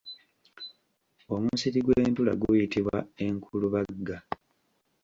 Omusiri gw'entula guyitibwa enkulubagga.